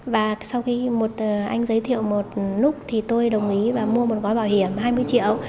và sau khi một anh giới thiệu một lúc thì tôi đồng ý và mua một gói bảo hiểm hai mươi triệu